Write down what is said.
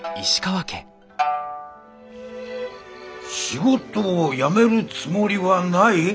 仕事を辞めるつもりはない？